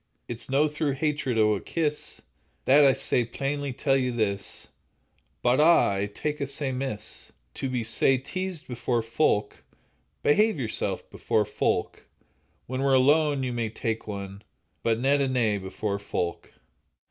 It's no through hatred o' a kiss, That I sae plainly tell you this, But, ah! I tak' it sae amiss To be sae teased before folk. Behave yoursel' before folk, When we're alone, ye may tak' one, But nent a ane before folk.